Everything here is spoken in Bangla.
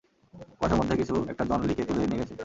কুয়াশার মধ্যে কিছু একটা জন লিকে তুলে নিয়ে গেছে!